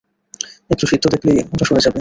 একটু সিদ্ধি দেখলেই ওটা সেরে যাবে।